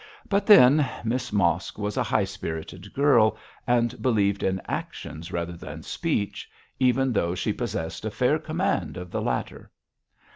But then, Miss Mosk was a high spirited girl and believed in actions rather than speech, even though she possessed a fair command of the latter.